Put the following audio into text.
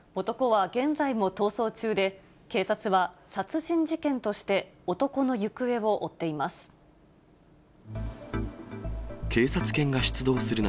男は現在も逃走中で、警察は殺人事件として、男の行方を追っています。